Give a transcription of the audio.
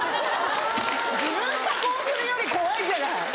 自分加工するより怖いじゃない！